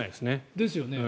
ですよね。